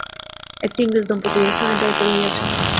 একটি ইংরেজ-দম্পতি ঐ স্থানের দায়িত্বে রহিয়াছেন।